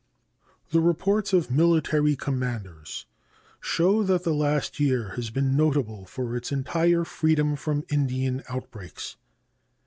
The reports of military commanders show that the last year has been notable for its entire freedom from Indian outbreaks.